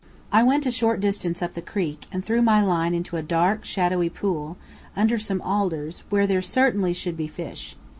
I went a short distance up the creek, and threw my line into a dark, shadowy pool, under some alders, where there certainly should be fish.